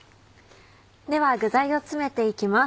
では具材を詰めていきます。